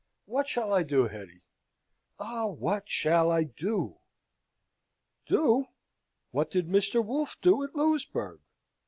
What shall I do, Hetty? Ah! what shall I do?" "Do? What did Mr. Wolfe do at Louisbourg?